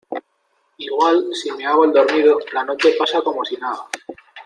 igual, si me hago el dormido , la noche pasa como si nada.